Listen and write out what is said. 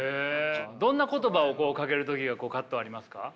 どんな言葉をかける時が葛藤ありますか？